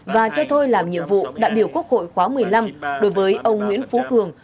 và cho thôi làm nhiệm vụ đại biểu quốc hội khóa một mươi năm đối với ông nguyễn phú cường